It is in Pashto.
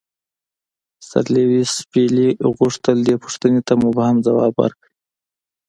سر لیویس پیلي غوښتل دې پوښتنې ته مبهم ځواب ورکړي.